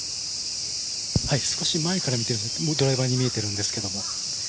少し前から見ているのでドライバーに見えているんですけど。